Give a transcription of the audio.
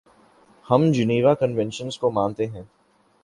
ہم Geneva conventions کو مانتے ہیں۔